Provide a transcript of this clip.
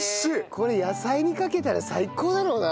これ野菜にかけたら最高だろうな。